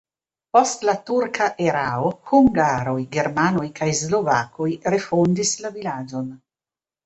Post la turka erao hungaroj, germanoj kaj slovakoj refondis la vilaĝon.